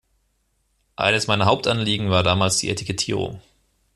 Eines meiner Hauptanliegen war damals die Etikettierung.